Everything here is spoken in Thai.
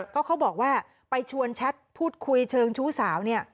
เพราะเขาบอกว่าไปชวนแชทพูดคุยเชิงชู้สาวเนี่ย